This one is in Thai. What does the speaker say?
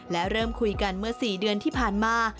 และเริ่มคุยกันเมื่อ๔เดือนที่ผ่านมา